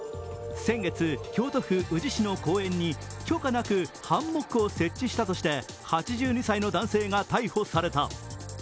先月、京都府宇治市の公園に許可なくハンモックを設置したとして８２歳の男性が逮捕された。